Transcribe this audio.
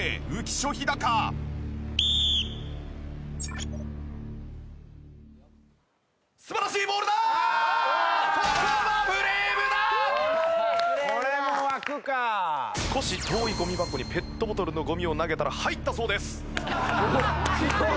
少し遠いゴミ箱にペットボトルのゴミを投げたら入ったそうです。